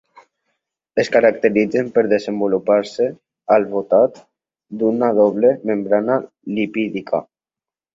Es caracteritzen per desenvolupar-se al voltat d'una doble membrana lipídica.